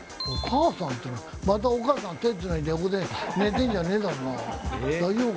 お母さんっていうのはまたお母さん手つないで横で寝てんじゃねえだろうな。